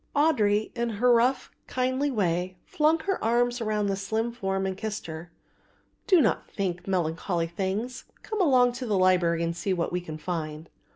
Audry in her rough, kindly way, flung her arms round the slim form and kissed her. "Do not think melancholy things; come along to the library and see what we can find."